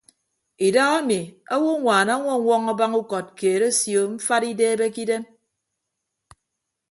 Idahaemi owoññwaan añwọñwọñ abañ ukọt keed asio mfat ideebe ke idem.